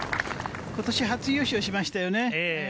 ことし初優勝しましたよね。